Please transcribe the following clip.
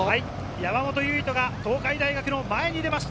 山本唯翔が東海大学の前に出ました。